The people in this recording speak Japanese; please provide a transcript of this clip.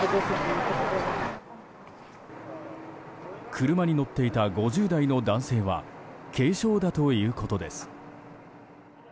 車に乗っていた５０代の男性は軽傷だということです。